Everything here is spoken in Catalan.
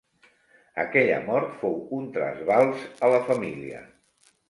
Aquella mort fou un trasbals a la família.